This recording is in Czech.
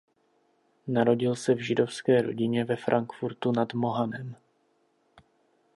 Narodil se v židovské rodině ve Frankfurtu nad Mohanem.